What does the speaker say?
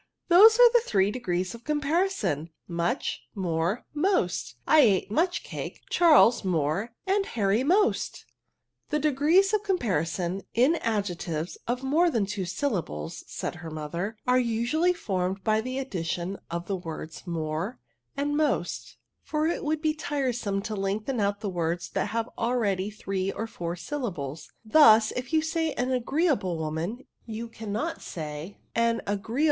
those are the three degrees of comparison,— much, more, most. I ate much cake, Charles, more, and Harry most" " The degrees of comparison, in adjectives of more than two syllables," said her mother, *' are usually formed by the addition of the words more and most ; for it would be tire some to lengthen out words that have al ready three or four syllables: thus if you say an agreeable woman, you cannot say an ♦d 5 34 ADJEGTIVEa.